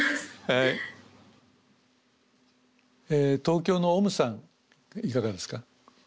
東京のおむさんいかがですか？